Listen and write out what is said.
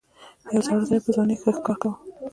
یو زاړه سړي په ځوانۍ کې ښه ښکار کاوه.